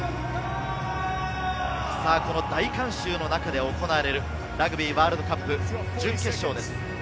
大観衆の中で行われるラグビーワールドカップ準決勝です。